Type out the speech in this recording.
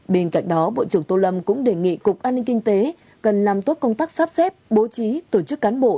bên cạnh đó bộ trưởng tô lâm cũng đề nghị cục an ninh kinh tế cần làm tốt công tác sắp xếp bố trí tổ chức cán bộ